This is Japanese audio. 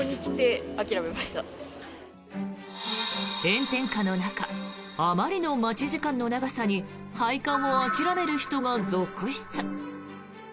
炎天下の中あまりの待ち時間の長さに拝観を諦める人が続出。